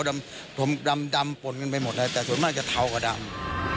ดำป่นกันไปหมดแล้วแต่ส่วนมากจะเทากว่าดำ